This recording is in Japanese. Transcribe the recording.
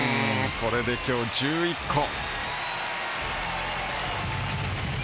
これで今日１１個。